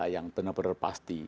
yang benar benar pasti